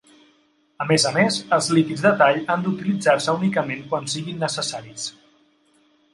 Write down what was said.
A més a més, els líquids de tall han d'utilitzar-se únicament quan siguin necessaris.